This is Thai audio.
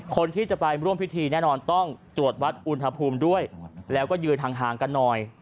คนที่จะไปร่วมพิธีแน่นอนต้องตรวจวัดอุณหภูมิด้วยแล้วก็ยืนห่างกันหน่อย